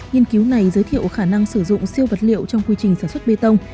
nghiên cứu này giới thiệu khả năng sử dụng siêu vật liệu trong quy trình sản xuất bê tông